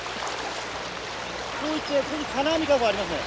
こう行ってここに金網籠ありますね。